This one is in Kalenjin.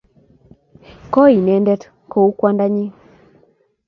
Koi inendet kou kwandanyin